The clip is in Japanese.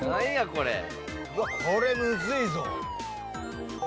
これむずいぞ。